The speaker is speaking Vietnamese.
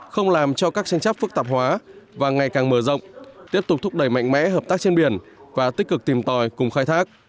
không làm cho các tranh chấp phức tạp hóa và ngày càng mở rộng tiếp tục thúc đẩy mạnh mẽ hợp tác trên biển và tích cực tìm tòi cùng khai thác